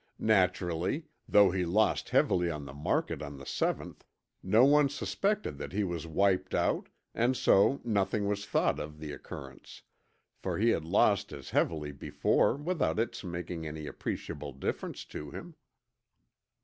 Naturally, though he lost heavily on the market on the seventh, no one suspected that he was wiped out, and so nothing was thought of the occurrence, for he had lost as heavily before without its making any appreciable difference to him."